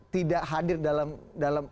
tidak hadir dalam